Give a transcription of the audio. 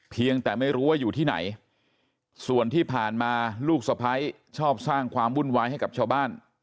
เพียงแต่ไม่รู้ว่าอยู่ที่ไหนส่วนที่ผ่านมาลูกสะพ้ายชอบสร้างความวุ่นวายให้กับชาวบ้าน